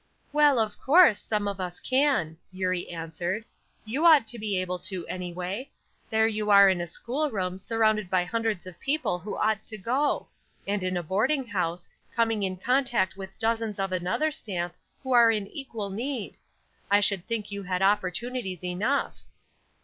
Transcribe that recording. "Well, of course, some of us can," Eurie answered. "You ought to be able to, anyway. There you are in a school room, surrounded by hundreds of people who ought to go; and in a boarding house, coming in contact with dozens of another stamp, who are in equal need. I should think you had opportunities enough."